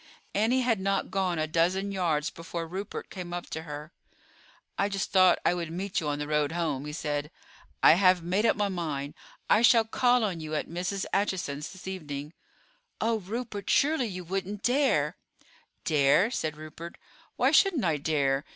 Annie had not gone a dozen yards before Rupert came up to her. "I just thought I would meet you on the road home," he said. "I have made up my mind; I shall call on you at Mrs. Acheson's this evening." "Oh, Rupert, surely you wouldn't dare?" "Dare?" said Rupert; "why shouldn't I dare?